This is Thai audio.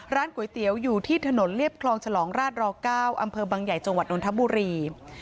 ร้านก๋วยเตี๋ยวอยู่ที่ถนนเรียบคลองฉลองราชร๙อำเภอบังใหญ่จังหวัดนทบุรี